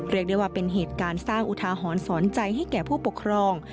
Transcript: เรียกได้ว่าเป็นเหตุการณ์สร้างอุทาหรณ์สอนใจให้แก่ผู้ปกครอง